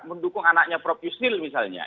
mendukung anaknya prof yusnil misalnya